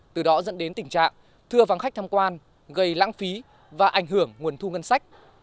từ đó dẫn đến tình trạng thưa vắng khách tham quan gây lãng phí và ảnh hưởng nguồn thu ngân sách